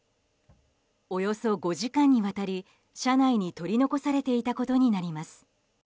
およそ５時間にわたり車内に取り残されていたことになります。